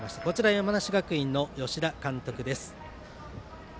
山梨学院の吉田監督です。